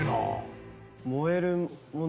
燃えるもの